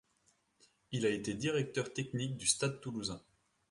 Il a été directeur technique du Stade toulousain.